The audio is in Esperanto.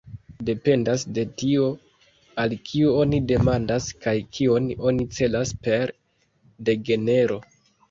Dependas de tio, al kiu oni demandas kaj kion oni celas per "degenero".